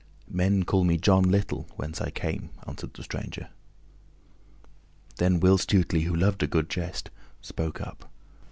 "Men call me John Little whence I came," answered the stranger. Then Will Stutely, who loved a good jest, spoke up.